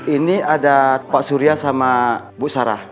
ini ada pak surya sama bu sarah